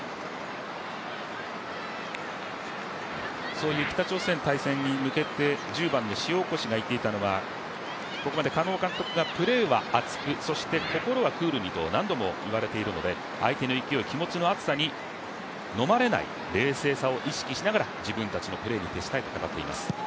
そういう北朝鮮対戦に向けて、１０番の塩越が言っていたのはここまで狩野監督がプレーは熱く、心はクールにと何度も言われているので、相手の勢い、気持ちの熱さにのまれない冷静さを意識しながら自分たちのプレーに徹したいと語っています。